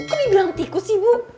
kan dibilang tikus ibu